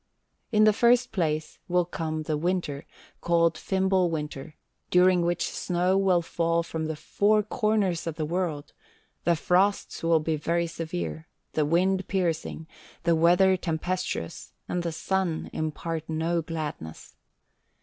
In the first place will come the winter, called Fimbul winter, during which snow will fall from the four corners of the world; the frosts will be very severe, the wind piercing, the weather tempestuous, and the sun impart no gladness.